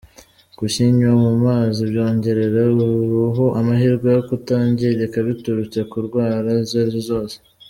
Kukinywa mu mazi byongerera uruhu amahirwe yo kutangirika biturutse ku ndwara izo arizo zose.